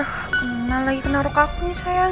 kenal lagi kena ruka aku nih sayang